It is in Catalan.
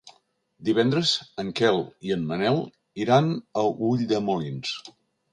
Divendres en Quel i en Manel iran a Ulldemolins.